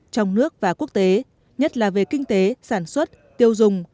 trong nước và quốc tế nhất là về kinh tế sản xuất tiêu dùng